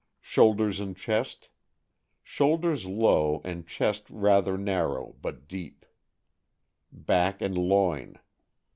Shoulders and chest. — Shoulders low, and chest rather narrow^, but deep. Back and loin.